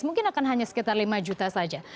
mungkin akan hanya sekitar lima juta saja